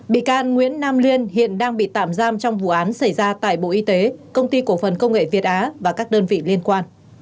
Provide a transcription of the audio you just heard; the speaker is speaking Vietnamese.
bị can nguyễn nam liên hiện đang bị tạm giam trong vụ án xảy ra tại bộ y tế công ty cổ phần công nghệ việt á và các đơn vị liên quan